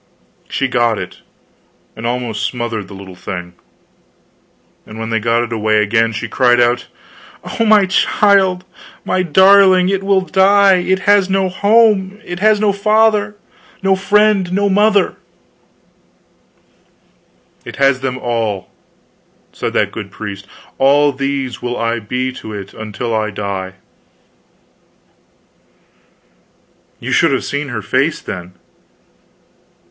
She got it; she almost smothered the little thing. And when they got it away again, she cried out: "Oh, my child, my darling, it will die! It has no home, it has no father, no friend, no mother " "It has them all!" said that good priest. "All these will I be to it till I die." You should have seen her face then!